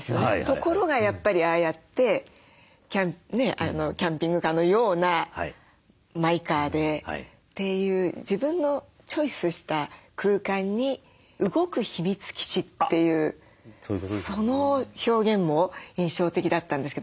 ところがやっぱりああやってキャンピングカーのようなマイカーでっていう自分のチョイスした空間に「動く秘密基地」っていうその表現も印象的だったんですけどヒロシさんはいかがですか？